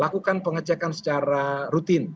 lakukan pengecekan secara rutin